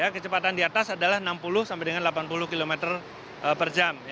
kecepatan di atas adalah enam puluh sampai dengan delapan puluh km per jam